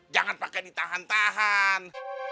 jangan pakai ditahan tahan